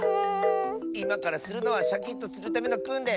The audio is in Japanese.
いまからするのはシャキッとするためのくんれん。